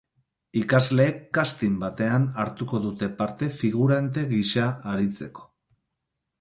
Ikasleek casting batean hartuko dute parte figurante gisa aritzeko.